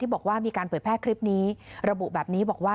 บอกว่ามีการเผยแพร่คลิปนี้ระบุแบบนี้บอกว่า